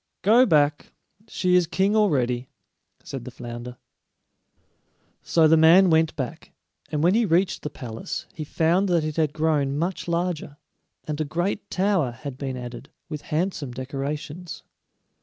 "Go back. She is king already," said the flounder. So the man went back, and when he reached the palace he found that it had grown much larger, and a great tower had been added, with handsome decorations.